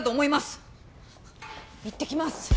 いってきます。